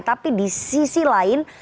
tapi di sisi lain